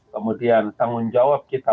kemudian tanggung jawab kita